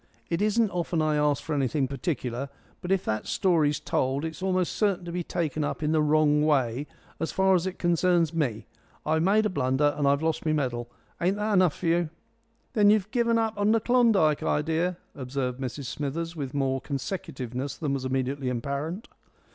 It isn't often I ask for anything particular, but if that story's told it's almost certain to be taken up in the wrong way as far as it concerns me. I've made a blunder and I've lost my medal. Ain't that enough for you?" "Then you've given up that Klondike idea," observed Mrs Smithers, with more consecutiveness than was immediately apparent.